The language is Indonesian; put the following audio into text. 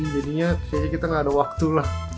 jadinya kayaknya kita gak ada waktu lah